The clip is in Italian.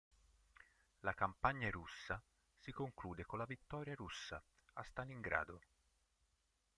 La campagna russa si conclude con la vittoria russa a Stalingrado.